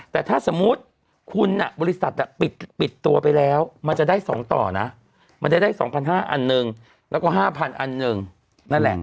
แต่ถ้าสมมุติคุณบริษัทปิดตัวไปแล้วมันจะได้๒ต่อนะมันจะได้๒๕๐๐อันหนึ่งแล้วก็๕๐๐อันหนึ่งนั่นแหละ